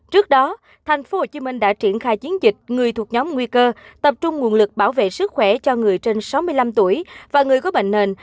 trước đó tp hcm đã triển khai chiến dịch người thuộc nhóm nguy cơ tập trung nguồn lực bảo vệ sức khỏe cho người trên sáu mươi năm tuổi và người có bệnh nền